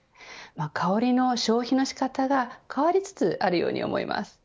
香りの消費の仕方が変わりつつあるように思います。